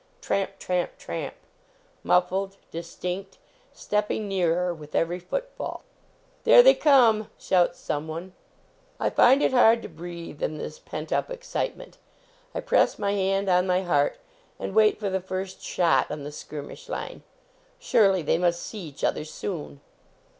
Tramp, tramp, tramp. Muffled; distinct; stepping nearer with every footfall. " There they come!" shouts some one. I find it hard to breathe in this pent up excite ment. I press my hand on my heart, and wait for the first shot on the skirmish line. Surely they must see each other soon